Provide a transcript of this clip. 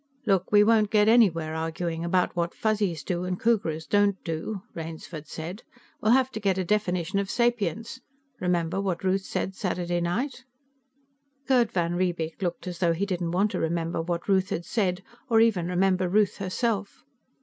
"Look, we won't get anywhere arguing about what Fuzzies do and Khooghras don't do," Rainsford said. "We'll have to get a definition of sapience. Remember what Ruth said Saturday night?" Gerd van Riebeek looked as though he didn't want to remember what Ruth had said, or even remember Ruth herself.